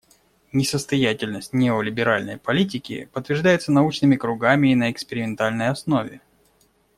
Несостоятельность неолиберальной политики подтверждается научными кругами и на экспериментальной основе.